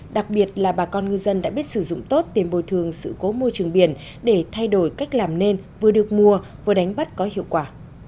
đặc biệt là bà con ngư dân đã biết sử dụng tốt tiền bồi thường sự cố môi trường biển để thay đổi cách làm nên vừa được mùa vừa đánh bắt có hiệu quả